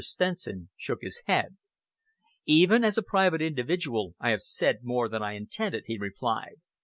Stenson shook his head. "Even as a private individual I have said more than I intended," he replied.